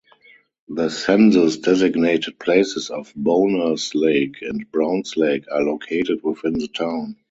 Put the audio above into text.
The census-designated places of Bohners Lake, and Browns Lake are located within the town.